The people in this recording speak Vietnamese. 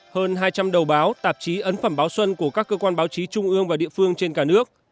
hơn hai trăm linh đầu báo tạp chí ấn phẩm báo xuân của các cơ quan báo chí trung ương và địa phương trên cả nước